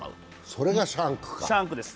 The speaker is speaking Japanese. それがシャンクです。